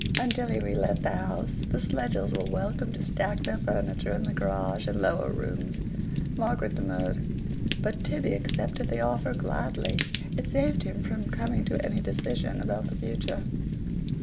Until he relet the house, the Schlegels were welcome to stack their furniture in the garage and lower rooms. Margaret demurred, but Tibby accepted the offer gladly; it saved him from coming to any decision about the future.